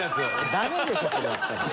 ダメでしょそれやっちゃ。